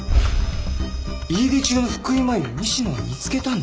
家出中の福井真衣を西野は見つけたんだ。